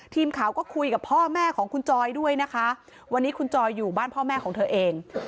ทีมข่าวก็คุยกับพ่อแม่ของคุณจอยด้วยนะคะวันนี้คุณจอยอยู่บ้านพ่อแม่ของเธอเอง